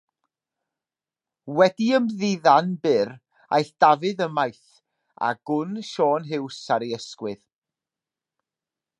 Wedi ymddiddan byr, aeth Dafydd ymaith â gwn Siôn Huws ar ei ysgwydd.